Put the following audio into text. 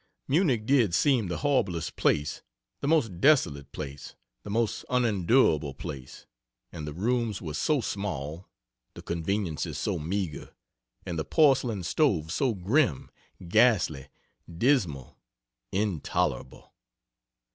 Munich did seem the horriblest place, the most desolate place, the most unendurable place! and the rooms were so small, the conveniences so meagre, and the porcelain stoves so grim, ghastly, dismal, intolerable!